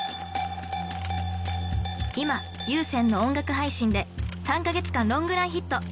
今ＵＳＥＮの音楽配信で３か月間ロングランヒット